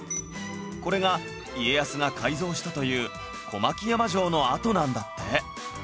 これが家康が改造したという小牧山城の跡なんだって